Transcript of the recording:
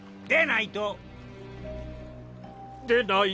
でないと？